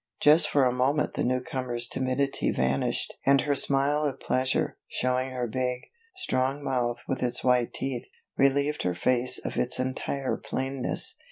Just for a moment the newcomer's timidity vanished and her smile of pleasure, showing her big, strong mouth with its white teeth, relieved her face of its entire plainness.